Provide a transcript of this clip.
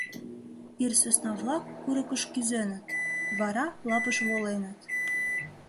Ир сӧсна-влак курыкыш кӱзеныт, вара лапыш воленыт.